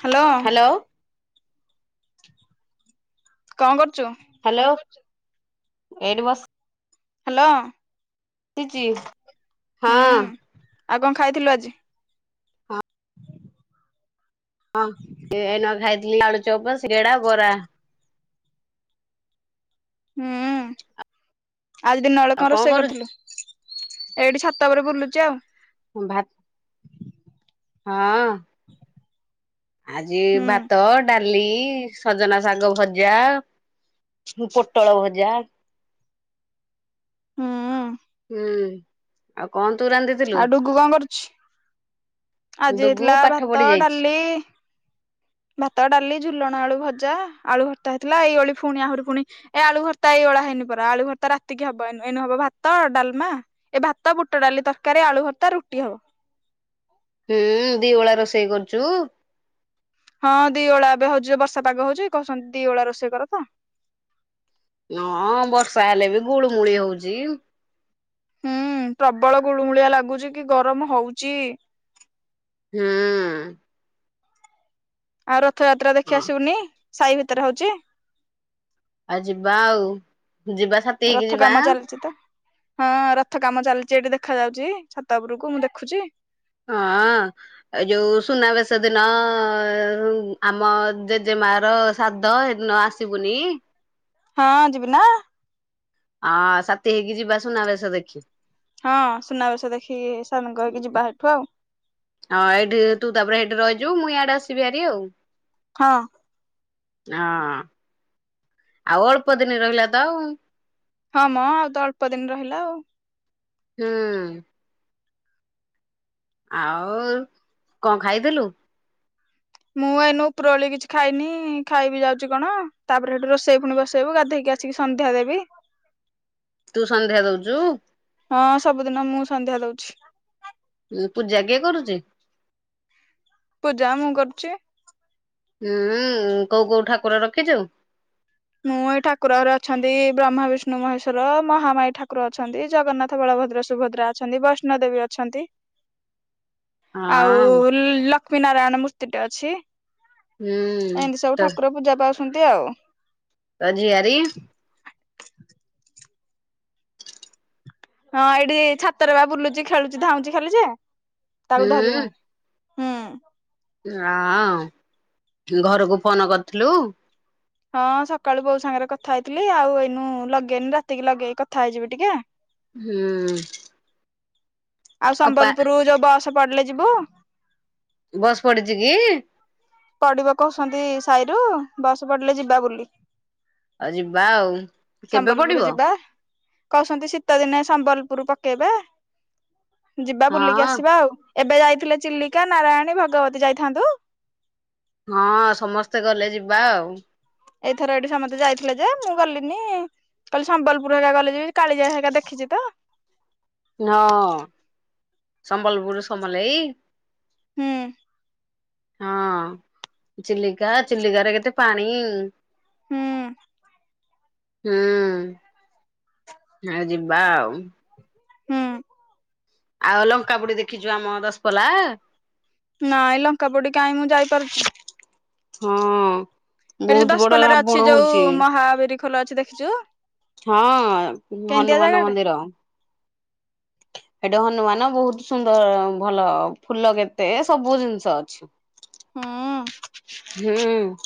Hello, କଣ କରୁଛୁ? Hello ଏଠ ବସି ହ୍ୟାଲୋ, ବସିଛି। ହଁ, ହୁଁ ଆଉ କଣ ଖାଇଥିଲୁ ଆଜି? ହଁ ଏଇନା ଖାଇଥିଲି ଆଳୁ ଚପ୍ ସିଙ୍ଗଡା ବରା, ହୁଁ ଆଜି ଦିନ ବେଳା ଆଉ କଣ କନରୋଷେଇ କରୁ କରିଥିଲୁ? ଏଇଠି ଛାତ ଉପରେ ବୁଲୁଚି ଆଉ, ଭାତ, ହଁ ଆଜି ହୁଁ ଭାତ ଡା ାଲି ସଜନା ଶାଗ ଭଜା ମୁଁ ପୋଟଳ ଭଜା ହୁଁ। ହୁଁ ଆଉ କଣ? ତୁ ରାନ୍ଧିଥିଲୁ ଆଉ ଡୁକୁୁ କଣ କରୁଛି? ଆଜି ଡୁଗୁ ହେଇଥିଲା ପାଠ ଭାତ ପଢି ଯାଇଛି। ଡାଲି ଭାତ ଡାଲି ଝୁଲଣ ଆଳୁ ଭଜା ଆଳୁ ଭର୍ତ୍ତା ହେଇଥିଲା ଏଇଭଳି ପୁଣି ଆହୁରି ପୁଣି ଏ ଆଳୁ ଭର୍ତ୍ତା ଏଇଳି ହେଇନି ପରା ଆଳୁ ଘର ତ ରାତିକି ହବ ଏ ହବ ଭାତ ଡାଲମା ଏ ଭାତ ବୁଟ ଡାଲି ତରକାରୀ ଆଳୁ ଭ ତା ରୁଟି ହବ। ହୁଁ ଦି ଓଳା ରୋଷେଇ କରୁଛୁ। ହଁ ଦି ଓଳା ଏବେ ହଉଛି ବର୍ଷା ପାଗ ହଉଛି କହୁଛନ୍ତି ଦି ଓଳା ରୋଷେଇ କର ତ ମୁୂଳି ହଉଛି। ହୁଁ ପ୍ରବଳ ଗୁଳୁମୁଳିଆ ଲାଗୁଚ କି ଗରମ ହଉଚି ହୁ। ଆଉ ରଥଯାତ୍ରା ଦେଖିଆ ହଁ ଆସିବୁନି ସାହି ଭିତରେ ହଉଛି। ଆଉ ଯିବା ଆଉ ଯିବା ସାଆତିହେଇକି ରଥ ଯିବା କାମ ଆ ଚାଲିଛି ତ ହଁ ରଥ କାମ ଚାଲିଛି ଏଠି ଦେଖ ଯାଉଛି ଛାତ ଉପରକୁ ମୁଁ ଦେଖୁଛି। ହଁ ଏ ଯୋଉ ସୁନାବେଶ ଦିନ ଆମ ଜେଜ ମା ର ଶାଦ୍ଧ ସେଦିନ ଆସିବୁନି ହଁ ଯିବି ନା। ହଁ ସାଥି ହେଇକି ଯିବା ସୁନା ବେସ ଦେଖି। ହଁ ସୁନାବେସ ଦେଖିକି ସଅନଙ୍ଗଯିବା ସେଠୁ ଆଉ ହଁ ଏଇଠି ତୁ ତାପରେ ସେଇଠି ରହିଯିବୁ ମୁଁ ଇଆଡେ ଆସିବି ଆରି ଆଉ ହଁ। ହଁ ଆଉ ଅଳ୍ପ ଦିନ ରହିଲା ତ ଆଉ। ହଁ ମଁ ଆଉ ତ ଅଳ୍ପ ଦିନ ରହିଲା ଆଉ। ହୁଁ। ଆଉ କଣ ଖାଇଥିଲୁ? ମୁଁ ଏଇନୁ ଉପରଳି କିଛି ଖାଇନି ଖାଇବି ଯାଉଛି କଣ ତାପରେ ସେଠୁ ରୋଷେଇ ପୁଣି ବସେଇବୁ ଗାଧେଇକି ଆସିକି ସନ୍ଧ୍ୟା ଦେବି। ତୁ ସନ୍ଧ୍ୟା ଦଉଛୁ? ହଁ ସବୁଦିନ ମୁଁ ସନ୍ଧ୍ୟା ଦଉଛି। ପୂଜା କିଏ କରୁଛି? ପୂଜା ମୁଁ କରୁଛି। ହୁଁ କୋଉ କୋଉ ଠାକୁର ରଖିଛୁ? ଠାକୁରର ଅଛନ୍ତି ବ୍ରହ୍ମ ବିଷ୍ଣୁ ମହେଶ୍ୱର ମହାମାଇ ଠାକୁର ଅଛନ୍ତି ଜଗନ୍ନାଥ ବଳଭଦ୍ର ସୁଭଦ୍ର ମୁଦ୍ରା ଅଛନ୍ତି ବୈଷ୍ଣ ଦେେବୀ ଅଛନ୍ତି। [unintelligible] ହଁ ଆଉ ଲକ୍ଷ୍ମୀ ନାରାୟଣ ମୂର୍ତ୍ତିଟେ ଅଛି। ହୁଁ ଏମିତି ସବୁ ତ ଠାକୁର ପୂଜା ପାଉଛନ୍ତି ଆଉ। [unintelligible] ହଁ ଏଇଠି ଛାତରେ ବା ବୁଲୁଛି ଖେଳୁଛି ଧାଉଛି ଖେଲି ଯେ ତାକୁ ଧରି ହଉ ହଁ। ଆ ଘରକୁ ଫୋନ କରିଥିଲୁ? ହଁ ସକାଳୁ ବୋଉ ସାଙ୍ଗରେ କଥା ହେଇଥିଲି ଆଉ ଏଇନୁ ଲଗେଇନି ରାତିକି ଲଗେଇକି କଥା ହେଇଯିବି ଟିକେ ହୁଁ। ଆଉ ଅପା ସମ୍ବଲପୁର ଯୋଉ ବସ ପଡିଲେ ଯିବୁ? ବସ୍ ପଡିଛି କି? ପଡିବ କହୁଛନ୍ତି ସାହିରୁ ବସ ପଡିଲେ ଯିବା ବୋଲି। ଆଉ ଯିବା ଆଉ। କେବେ ପଡିବ ସମ୍ବଲପୁର ଯିବା କହୁଛନ୍ତି ଶୀତ ଦିନେ ସମ୍ବଲପୁର ଉପରୁ ପକେଇବା ଯିବା ବୁଲିକି ହଁ ଆସିବା ଆଉ ଏବେ ଯାଇଥିଲେ ଚିଲିକା ନାରାୟଣୀ ଭଗବତୀ ଯାଇଥାନ୍ତୁ। ହଁ ସମସ୍ତେ ଗଲେ ଯିବା ଆଉ। ଏଇଥର ଏଇଠି ସମସ୍ତେ ଯାଇଥିଲେ ଯେ ମୁଁ ଗଲିନି କାଲି ସମ୍ବଲପୁର ହୋ କଲେଜ କାଳିଜା ହେକା ଦେଖିଛି ତ ହଁ ସମ୍ବଲ ବରୁ ସମ୍ବଲ ଏଇ ହୁଁ। ହଁ ଚିଲିକା ଚିଲିକାରେ କେତେ ପାଣି। ହୁଁ। ହୁଁ ଆ ଯିବା ଆଉ। ହୁଁ। ଆଉ ଲଙ୍କା ବୁଡି ଦେଖିଛୁ ଆମ ଦଶପଲା? ନା ଏ ଲଙ୍କା ପୋଡ କାହି ମୁଁ ଯାଇପାରୁଛି। ହଁ। ଏଠି ଯୋଉ ବହୁତ ବଡ ଦଶପଲ ାରେ ରାବଣ ଅଛି ଯୋଉ ହଉଛି ମହାବିର ଖୋଲ ଅଛି ଦେଖିଛୁ? ହଁ କେମିତିଆ ହନୁମାନ ଜାଗାଟେ ମନ୍ଦିର। ଏଇଟା ହନୁମାନ ବହୁତ ସୁନ୍ଦର ଭଲ ଫୁଲ କେତେ ସବୁ ଜିନିଷ ଅଛି। ହୁଁ [unintelligible]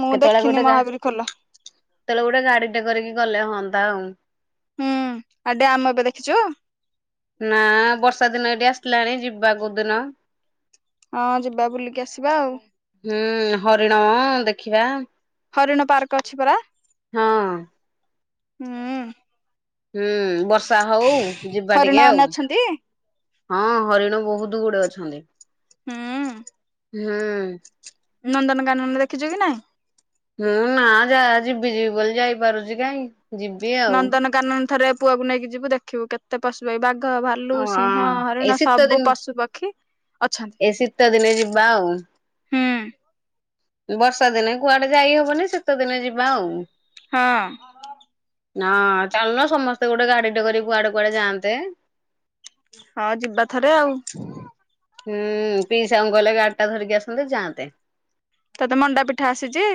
ମୁଁ ଦେଖିନି ଗଟେ ମହାବୀର ଖୋଲ ଗାଡି ଟେ କରିକି ଗଲେ ହୁଅନ୍ତା ଆଉ। ହୁଁ ଆଉ ଡ୍ୟାମ ଏବେ ଦେଖିଛୁ? ନା ବର୍ଷା ଦିନ ଏଇଠି ଆସିଲାଣି ଯିବା କୋଉ ଦିନ। ହଁ ଯିବା ବୁଲିକି ଆସିବା ଆଉ। ହୁଁ ହରିଣ ଦେଖିବା। ହରିଣ ପାର୍କ ଅଛି ପରା ହଁ ହୁଁ। ହୁଁ ବର୍ଷା ହୋଉ ଯିବା ହରିଣ ଟିକେ ମାନେ ଆଉ। ଅଛନ୍ତି ହଁ ହରିଣ ବୋହୁତ ଗୁଡେ ଅଛନ୍ତି। ହୁଁ। ହୁଁ। ନନ୍ଦନକାନନ ଦେଖିଚୁ କି ନାଇଁ? ମୁଁ ନା ଜା ଜିବି ଜିବି ବୋଲି ଯାଇ ପାରୁଛି କାଇଁ। ଯିବି ଆଉ। ନନ୍ଦନକାନନ ଥରେ ପୁଅକୁ ନେଇକି ଯିବୁ ଦେଖିବୁ କେତେ ପଶୁ ପା ବା ଘ, ଭାଲୁ ହଁ ସିଂହ ହରିଣ ସବୁ ପଶୁ ପକ୍ଷୀ। ଅଛନ୍ତି ଏ ଶୀତ ଦିନେ ଯିବା ଆଉ। ହୁଁ ବର୍ଷା ଦିନେ କୁଆଡେ ଯାଇ ହବନି ଶୀତ ଦିନେ ଯିବା ଆଉ। ହଁ। ହଁ ଚାଲୁନ ସମସ୍ତେ ଗୋଟେ ଗାଡିଟେ କରି କୁଆଡେ କୁଆଡେ ଯାଆନ୍ତେ। ହଁ ଯିବା ଥରେ ଆଉ। ହୁଁ ପିଇସାଙ୍କୁ କହିଲେ ଗାଡିଟା ଧରିକି ଆସନ୍ତେ ଯାଆନ୍ତେ। ତତେ ମଣ୍ଡା ପିଠା ଆସିଚି।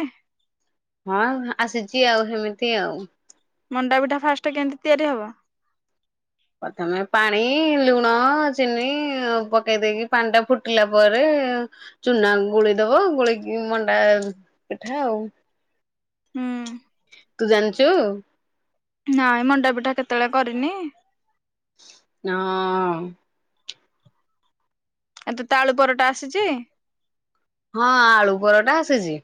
ହଁ ଆସିଚି ଆଉ ହେମିତି ଆଉ। ମଣ୍ଡା ପିଠା ଫାଷ୍ଟ କେମିତି ତିଆରି ହବ। ପ୍ରଥମେ ପାଣି ଲୁଣ ଚିନି ପକେଇ ଦେଇକି ପାଣି ଟା ଫୁଟିଲା ପରେ ଚୁନା ଗୋଳିଦୋବ ଗୋଳେଇକି ମଣ୍ଡା ପିଠା ଆଉ। ହୁଁ। ତୁ ଜାଣିଚୁ? ନାଇ ମଣ୍ଡପିଠା କେତେବେଳେ କରିନି। ନାଉଁ। [unintelligible] ତତେ ତାଳୁ ପରଟା ଆସିଚି? ହଁ ଆଳୁ ପରଟା ଆସିଚି।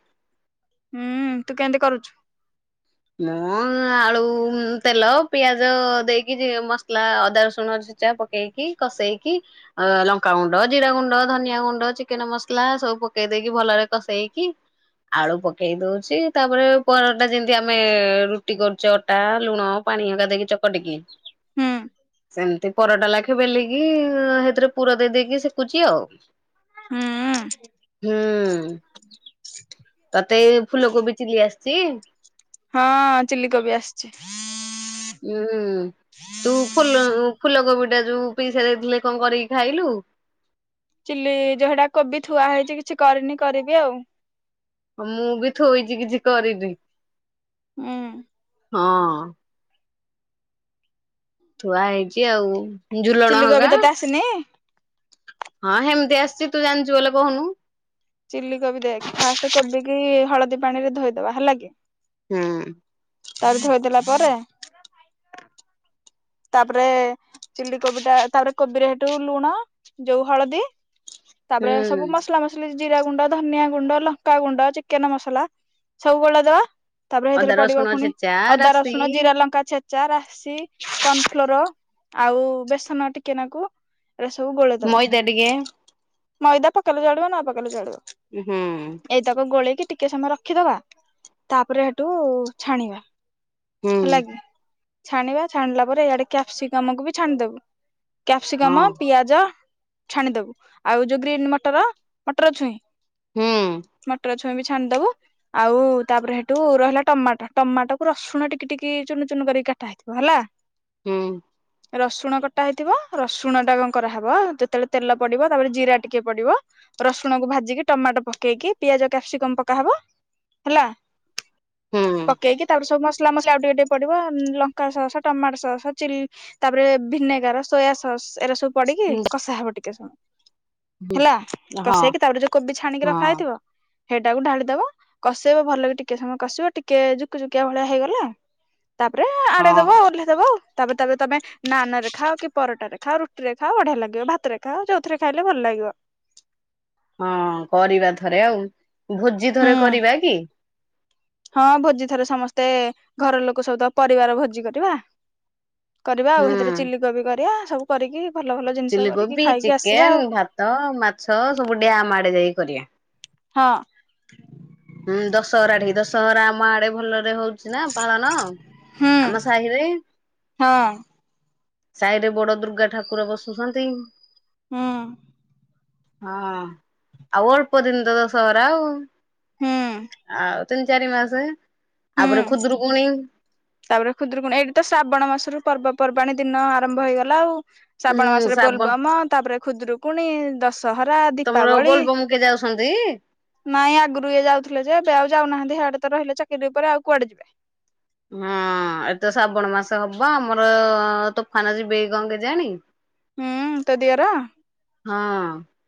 ହୁଁ ତୁ କେମିତି କରୁଚୁ? ମୁଁ ଆଳୁ ତେଲ ପିଆଜ ଦେଇକି ମସଲା ଅଦା ରସୁଣ ଛେଚା ପକେଇକି କସେଇକି ଲଙ୍କା ଗୁଣ୍ଡ ଜିରା ଗୁଣ୍ଡ ଧନିଆଁ ଗୁଣ୍ଡ ଚିକେନ ମସଲା ସବୁ ପକେଇ ଦେଇକି ଭଲରେ କସେଇକି ଆଳୁ ପକେଇ ଦୋଉଚି ତାପରେ ପରଟା ଯେମି ଆମେ ରୁଟି କରୁଚେ ଅଟା ଲୁଣ ପାଣି ଏଗୁଡା ଦେଇକି ଚକଟିକି। ହୁଁ ସେମିତି ପରଟା ଲାଗି ବେଲିକି ହେଥିରେ ପୁର ଦେଇ ଦେଇକି ଶେକୁଚି ଆଉ। ହୁଁ ହୁଁ। ତତେ ଫୁଲ କୋବି ଚିଲି ଆସିଚି। ହଁ ଚିଲିକୋବି ଆସିଚି। ଉଁ ତୁ ଫୁଲ ଫୁଲକୋବି ଟା ଯୋଉ ପିଇସା ଦେଇଥିଲେ କଣ କରିକି ଖାଇଲୁ? ଚିଲି ଯେ ହେଟା କୋବି ଥୁଆ ହେଇଚି କିଛି କରିନି କରିବି ଆଉ। ମୁଁ ବି ଥୋଇଚି କିଛି କରିନି। ଉଁ ହଁ। ଥୁଆ ହେଇଚି ଆଉ ଝୁଲଣ ଚିଲି ହୋଗା କୋବି ତତେ ଆସିନି ହଁ ହେମିତି ଆ ସିଚି ତୁ ଜାଣିଚୁ ବୋଲେ କୋହୁନୁ। ଚିଲିକୋବି ଦେଖେ ଫାଷ୍ଟ କୋବି କି ହଳଦୀ ପାଣି ରେ ଧୋଇଦବା ହେଲା କି। ହୁଁ। ତାପରେ ଧୋଇଦେଲା ପରେ ତାପରେ ଚିଲି କୋବି ଟା ତାପରେ କୋବିରେ ହେଠୁ ଲୁଣ ଯୋଉ ହଳଦୀ ତାପରେ ହୁଁ ସବୁ ମସଲା ମସଲି ଜିରା ଗୁଣ୍ଡ ଧନିଆଁ ଗୁଣ୍ଡ ଲଙ୍କା ଗୁଣ୍ଡ ଚିକେନ ମସଲା ସବୁ ଗୋଳେଇ ଦବା। ତାପରେ ହେଥିରେ ଅଦା ପଡିବ ରସୁଣ ପୁଣି ଛେଚା ଅଦା ରାଶି ରସୁଣ ଜିରା ଲଙ୍କା ଛେଚା ରାଶି କର୍ଣ୍ଣଫ୍ଲୋର। ଆଉ ବେସନ ଟିକେ ନାକୁ। ଏରା ସବୁ ଗୋଳେଇଦବା ମଇଦା ଟିକେ। ମଇଦା ପକେଇଲେ ଚଳିବ ନ ପକେଇଲେ ଚଳିବ। ହୁଁ। କି ଟିକେ ସମୟ ରଖିଦବା ତାପରେ ହେଠୁ ଛାଣିବା। ହୁଁ ହେଲା କିି ଛାଣିବା ଛାଣିଲା ପରେ ଇଆଡେ କ୍ୟାପସିକମକୁ ବି ଛାଣିଦବୁ। ହଁ କ୍ୟାପ୍ସିକମ ପିଆଜ ଛାଣିଦବୁ ଆଉ ଯୋଉ ଗ୍ରୀନ୍ ମଟର ମଟର ଛୁଇଁ। ହୁଁ ମଟର ଅଛି। [unintelligible] ଛାଣିଦବୁ ଆଉ ତାପରେ ହେଠୁ ରହିଲା ଟମାଟୋ ଟମାଟୋ କୁ ରସୁଣ ଟିକି ଟିକି ଚୁନୁ ଚୁୁନୁ କରି କାଟା ହେଇଥିବ ହେଲା। ହୁଁ। ରସୁଣ କଟା ହେଇଥିବ। ରସୁଣ ଟା କଣ କରାହବ ଯେତେବେଳେ ତେଲ ପଡିବ ତାପରେ ଜିରା ଟିକେ ପଡିବ। ରସୁଣକୁ ଭାଜିକି ଟମାଟୋ ପକେଇକି ପିଆଜ କ୍ୟାପସିକମ ପକାହବ ହେଲା। ହୁଁ ପକେଇକି ତାପରେ ସବୁ ମସଲା ମସଲା ଆଉ ଟିକେ ଟିକେ ପଡିବ ମ୍ ଲଙ୍କା ସସ ଟମାଟ ସ ସସ୍ ଚିଲି ତାପରେ ଭିନେଗାର ସୋୟା ସସ୍ ଏରା ସବୁ ପଡିକି ହଁ କଷା ହବ ଟିକେ ସମୟ। ହେଲା ହଁ କଷେଇକି ତାପରେ ଯୋଉ କୋବି ଛାଣିକି ରଖାହେଇଥିବ ହେଟାକୁ ଢାଳିଦବ। କଷେଇବ ଭଲକି ଟିକେ ସମୟ କଷିବ ଟିକେ ଜୁକୁ ଜୁକିଆ ଭଳିଆ ହେଇଗଲା ତାପରେ ଆଡେଇ ଦବ ହଁ ଓହ୍ଲେଇ ଦବ ଆଉ। ତାପରେ ତାପରେ ତମେ ନାନ ରେ ଖାଅ କି ପରଟାରେ ଖାଅ ରୁଟିରେ ଖାଅ ବଢିଆ ଲାଗିବ। ଭାତରେ ଖାଅ ଯୋଉଥିରେ ଖାଇଲେ ଭଲ୍ ଲାଗିବ। ହଁ କରିବା ଥରେ ଆଉ। ଭୋଜି ହୁଁ ଥରେ କରିବା କି? ହଁ। ଭୋଜି ଥରେ ସମସ୍ତେ ଘର ଲୋକ ସବୁତକ ପରିବାର ଭୋଜି କରିବା। କରିବା ଆଉ ହୁଁ ହେଥିରେ ଚିଲି କୋବି କରିବା ସବୁ କରିକି ଭଲ ଭଲ ଜିନିଷ ଚିଲି କରିକି କୋବି, ଖାଇକି ଆସିବା ଚିକେନ, ଆଉ ଭାତ, ମାଛ ସବୁ ଡ୍ୟାମ ଆଡେ ଯାଇକି କରିବା। ହଁ। ହୁଁ ଦଶହରା ଢେଇ ଦଶହରା ଆମ ଆଡେ ଭଲ। ରେ ହଉଚି ନା ପାଳନ ହୁଁ ଆମ ସାହିରେ। ହଁ ସାହି ରେ ବଡ ଦୁର୍ଗା ଠାକୁର ବସୁସନ୍ତି। ହୁଁ। ହଁ ଆଉ ଅଳ୍ପ ଦିନ ତ ଦଶହରା ଆଉ। ହୁଁ ଆଉ ତିନି ଚାରି ମାସେ। ହୁଁ ତାପରେ ଖୁଦୁରୁକୁଣି ଏଇଠି ତ ଶ୍ରାବଣ ମାସରୁ ପର୍ବ ପର୍ବାଣୀ ଦିନ ଆରମ୍ଭ ହେଇଗଲା ଆଉ। ଉଁ ଶ୍ରାବଣ ମାସରେ ଶ୍ରାବଣ ବୋଲବମ ତାପରେ ଖୁଦୁରୁକୁଣି ଦଶ ଶହରା, ତମର ଦୀପାବଳି ବୋଲବମ୍ କିଏ ଯାଉଛନ୍ତି? ନାଇ ଆଗରୁ ଇଏ ଯାଉଥିଲେ ଯେ ଏବେ ଆଉ ଯାଉନାହାନ୍ତି ହାଡେ ତ ରହିଲେ ଚାକିରି ଉପରେ ଆଉ କୁଆଡେ ଯିବେ। ହଁ ଏ ତ ଶ୍ରାବଣ ମାସ ହବ ଆମର ତୋଫାନ ଯିବେକି କଣ କେଜାଣି? ହୁଁ ତୋ ଦିଅର। ହଁ।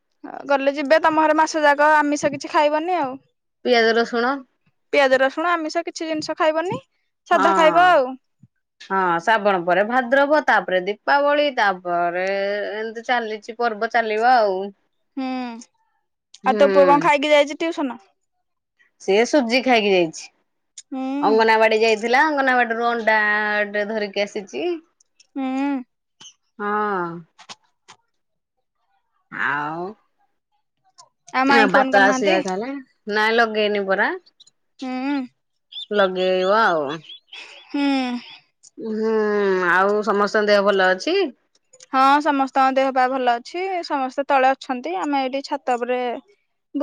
ଗଲେ ଯିବେ ତମ ଘରେ ମାସେ ଯାକ ଆମିଷ କିଛି ଖାଇବନି ଆଉ। ପିଆଜ ରସୁଣ ପିଆଜ ରସୁଣ ଆମିଷ କିଛି ଜିନିଷ ଖାଇବନି। ହଁ ସାଧା ଖାଇବ ଆଉ ହଁ ଶ୍ରାବଣ ପରେ ଭାଦ୍ରବ ତାପରେ ଦୀପ୍ ପାବଳି ତାପରେ ଏମିତି ଚାଲିଚି ପର୍ବ ଚାଲିବ ଆଉ। ହୁଁ ଆଉ ହୁଁ ତୋ ପୁଅ କଣ ଖାଇକି ଯାଇଚି ଟିଉସନ? ସିଏ ସୁଜି ଖାଇକି ଯାଇଛି। ହୁଁ ଅଙ୍ଗନାବାଡି ଯାଇଥିଲା ଅଙ୍ଗନାବାଡି ହେରୁ ଅଣ୍ଡା ଟେ ଧରିକି ଆସିଚି ହୁଁ ହଁ। ଆଉ। ଆଉ ଆ ମାଇଁ ଫୋନ ଭାତ କରିନାହାନ୍ତି? ଆସିବା ଖାଲେ। ନାଇଁ ଲଗେଇନି ପରା ହୁଁ ଲଗେଇବ ଆଉ। ହୁଁ। ହୁଁ ଆଉ ସମସ୍ତଙ୍କ ଦେହ ଭଲ ଅଛି? ହଁ ସମସ୍ତଙ୍କ ଦେହ ପା ଭଲ ଅଛି ସମସ୍ତେ ତଳେ ଅଛନ୍ତି ଆମେ ଏଇଠି ଛାତ ଉପରେ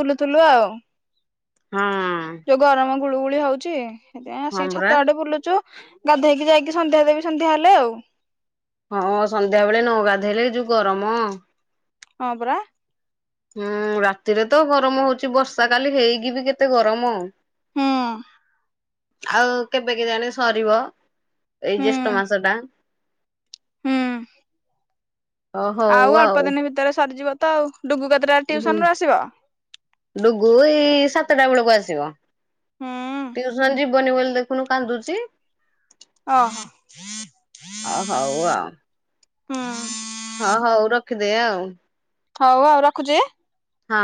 ବୁଲୁଥୁଲୁ ଆଉ। ହଁ। ଗୁଳୁଗୁଳି ହଉଚି ସେ ହଁ ଆସିକି ପରା ଛାତ ଆଡେ ବୁଲୁଚୁ। ଗାଧେଇକି ଯାଇକି ସନ୍ଧ୍ୟା ଦେବି ସନ୍ଧ୍ୟା ହେଲେ ଆଉ। ହଁ ସନ୍ଧ୍ୟା ବେଳେ ନ ଗାଧେଇଲେ ଏ ଯୋଉ ଗରମ‌ ହଁପରା। ହୁଁ ରାତିରେ ତ ଗରମ ହଉଚି ବର୍ଷା କାଲି ହେଇକି ବି କେତେ ଗରମ। ହୁଁ। ଆଉ କେବେ କେଜାଣି ସରିବ ଏଇ ହୁଁ ଜେଷ୍ଟ ମାସ ଟା। ହୁଁ। ଓ ହଉ ଆଉ ଅଳ୍ପ ଦିନ ଭିତରେ ସରିଯିବ। ତ ଆଉ ଡୁଗୁ କେତେଟା ହୁଁ ଟିଉସନ ରୁ ଆସିବ? ଡୁଗୁ ଏଇ ସାତଟା ବେଳକୁ ଆସିବ ହୁଁ ଟଉସନ ଯିବନି ବୋଲି ଦେଖୁନୁ କାନ୍ଦୁଚି। ଓହୋ ଅ ହଉ ଆଉ ହୁଁ। ହଁ ହଉ ରଖିଦେ ଆଉ। ହଉ ଆଉ ରଖୁଚି। ହଁ।